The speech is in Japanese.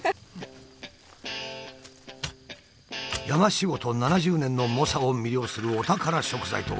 山仕事７０年の猛者を魅了するお宝食材とは。